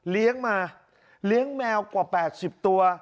เลี้ยงมาเลี้ยงแมวกว่า๘๐ตัว